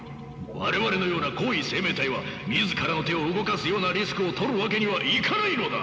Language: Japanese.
我々のような高位生命体は自らの手を動かすようなリスクをとるわけにはいかないのだ！